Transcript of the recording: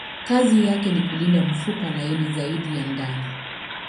Kazi yake ni kulinda mfupa laini zaidi ya ndani.